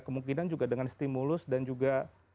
kemungkinan juga dengan stimulus dan juga